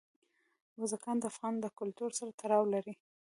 بزګان د افغان کلتور سره تړاو لري.